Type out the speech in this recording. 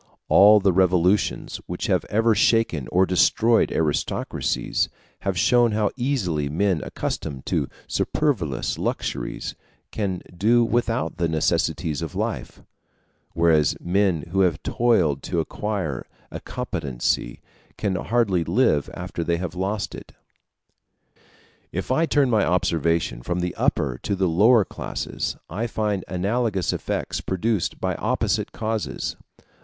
All the revolutions which have ever shaken or destroyed aristocracies, have shown how easily men accustomed to superfluous luxuries can do without the necessaries of life; whereas men who have toiled to acquire a competency can hardly live after they have lost it. If I turn my observation from the upper to the lower classes, I find analogous effects produced by opposite causes.